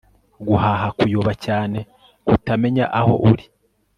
guhaba kuyoba cyane, kutamenya aho uri